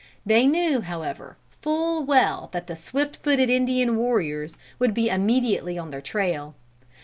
They knew, however, full well that the swift footed Indian warriors would be immediately on their trail.